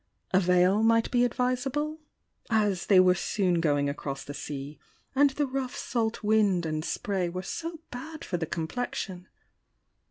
— a veil might he advisable?— as they were soon gomg across the M s and the rough salt wind and spray were so bad lor the complexion!